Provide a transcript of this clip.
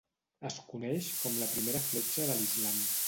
Es coneix com la primera fletxa de l'Islam.